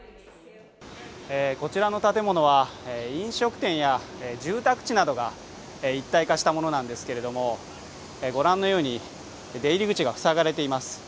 こちらの建物は、飲食店や住宅地などが一体化したものなんですけれども、御覧のように出入り口が塞がれています。